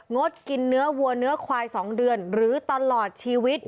ดกินเนื้อวัวเนื้อควาย๒เดือนหรือตลอดชีวิต